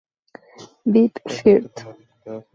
Vic Firth